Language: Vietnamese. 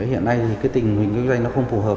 hiện nay thì cái tình hình kinh doanh nó không phù hợp